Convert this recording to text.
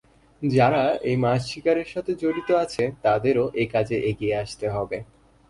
যারা এই মাছ শিকারের সাথে জড়িত আছে তাদেরও একাজে এগিয়ে আসতে হবে।